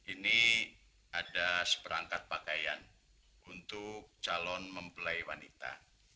ini ada seperangkat pakaian untuk calon mempelai wanita